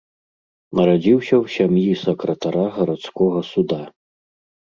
Нарадзіўся ў сям'і сакратара гарадскога суда.